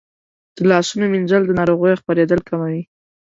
د لاسونو مینځل د ناروغیو خپرېدل کموي.